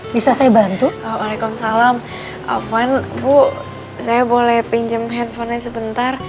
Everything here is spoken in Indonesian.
bisa saya bantu alaikum salam afan bu saya boleh pinjem handphonenya sebentar